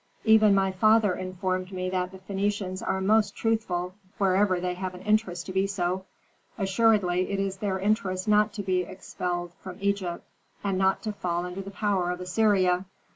Even my father informed me that the Phœnicians are most truthful wherever they have an interest to be so. Assuredly it is their interest not to be expelled from Egypt, and not to fall under the power of Assyria.